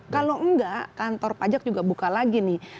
kalau enggak kantor pajak juga buka lagi nih